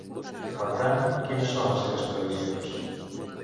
Per tant, quines són les seves previsions?